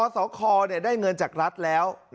สคได้เงินจากรัฐแล้ว